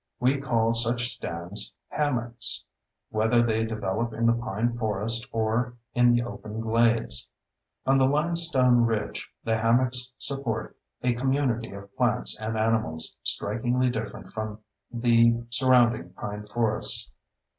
We call such stands "hammocks," whether they develop in the pine forest or in the open glades. On the limestone ridge, the hammocks support a community of plants and animals strikingly different from the surrounding pine forests.